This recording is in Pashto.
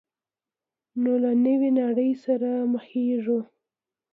نو له نوې نړۍ سره مخېږو.